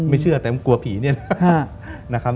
ไม่เชื่อแต่กลัวผีเนี่ยนะครับ